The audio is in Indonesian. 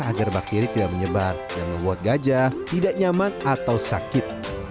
agar bakteri tidak menyebar dan membuat gajah tidak nyaman atau sakit